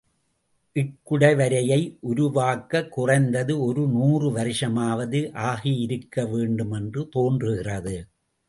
இக்குடைவரையை உரு வாக்கக் குறைந்தது ஒரு நூறு வருஷமாவது ஆகியிருக்க வேண்டுமென்று தோன்றுகிறது.